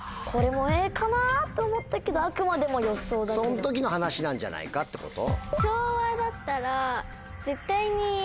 その時の話なんじゃないかってこと？